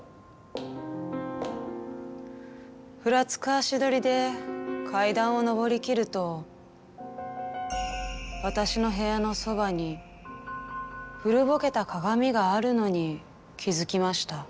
ふらつく足取りで階段を上りきると私の部屋のそばに古ぼけた鏡があるのに気付きました。